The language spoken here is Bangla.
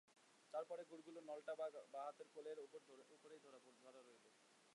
তার পরে গুড়গুড়ির নলটা বাঁ হাতে কোলের উপরেই ধরা রইল।